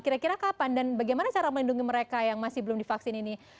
kira kira kapan dan bagaimana cara melindungi mereka yang masih belum divaksin ini